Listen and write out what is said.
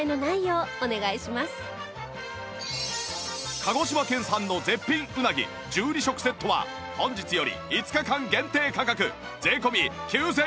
鹿児島県産の絶品うなぎ１２食セットは本日より５日間限定価格税込９９８０円